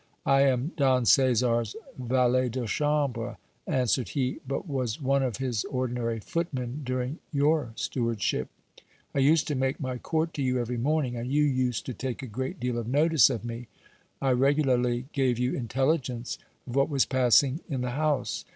I am Don Caesar's valet de chambre, answered he, but was one of his ordinary footmen during your stewardship ; I used to make my court to you every morning, and you used to take a great deal of notice of me. I regularly gave you intelligence of what was passing in the house.